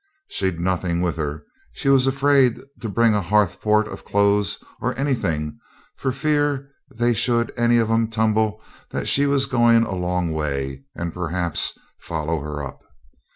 She'd nothing with her; she was afraid to bring a ha'porth of clothes or anything for fear they should any of 'em tumble that she was going a long way, and, perhaps, follow her up.